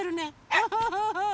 ウフフフ！